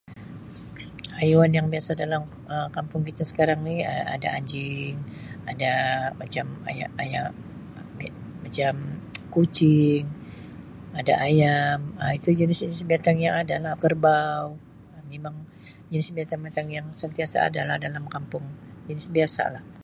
Haiwan yang biasa Um dalam kampung kita sekarang ini ada anjing, ada macam ayam-ayam tapi macam kucing ada ayam Um itu jenis-jenis binatang yang ada lah kerbau mimang jenis binatang-binatang yang sentaisa ada lah dalam kampung. [unintelligible]